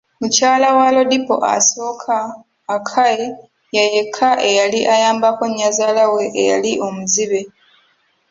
Mukyala wa Lodipo asooka, Akai, ye yeka eyali ayambako nyazaala we eyali omuzibe.